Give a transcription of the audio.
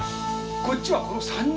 こっちはこの３人。